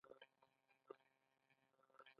دا فراروی ده.